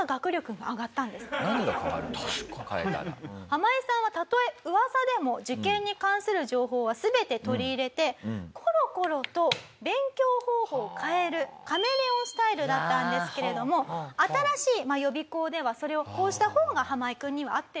ハマイさんはたとえ噂でも受験に関する情報は全て取り入れてコロコロと勉強方法を変えるカメレオンスタイルだったんですけれども新しい予備校ではそれをこうした方がハマイ君には合ってるよというふうに。